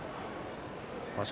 場所